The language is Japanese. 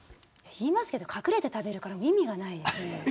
言いますけど隠れて食べるから意味がないです。